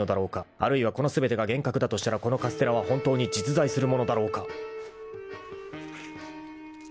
［あるいはこの全てが幻覚だとしたらこのカステラは本当に実在するものだろうか］